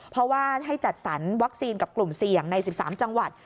เพราะว่าให้จัดสรรวัคซีนกับกลุ่มเสี่ยงใน๑๓จังหวัด